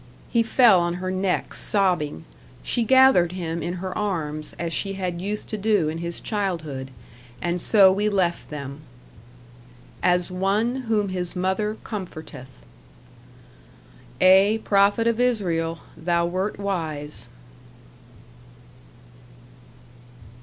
He fell on her neck, sobbing. She gathered him in her arms, as she had used to do in his childhood; and so we left them. "AS ONE WHOM HIS MOTHER COMFORTETH." Ay, Prophet of Israel, thou wert wise.